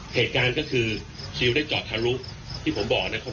เหตุการณ์ก็คือชิลได้จอดทะลุที่ผมบอกนะครับ